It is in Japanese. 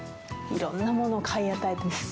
いろんなものを買い与えてます。